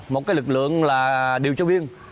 một lực lượng điều tra viên